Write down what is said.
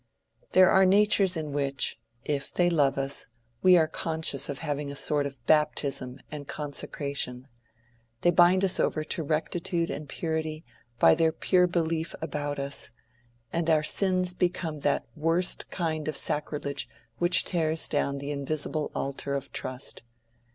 There are natures in which, if they love us, we are conscious of having a sort of baptism and consecration: they bind us over to rectitude and purity by their pure belief about us; and our sins become that worst kind of sacrilege which tears down the invisible altar of trust.